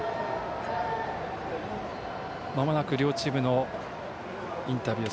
間もなく両チームのインタビュー